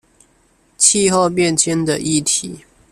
氣候變遷的議題